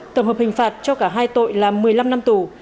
tổng hợp hình phạt cho cả hai tội là một mươi năm năm tù